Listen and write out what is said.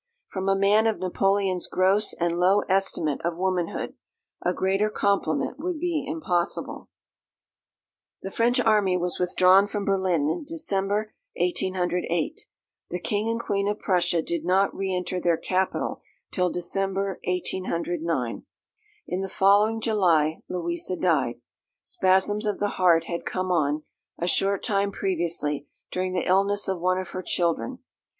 From a man of Napoleon's gross and low estimate of womanhood, a greater compliment would be impossible. The French army was withdrawn from Berlin in December 1808. The King and Queen of Prussia did not re enter their capital till December 1809. In the following July, Louisa died. Spasms of the heart had come on, a short time previously, during the illness of one of her children.